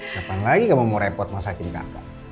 kapan lagi kamu mau repot masakin kakak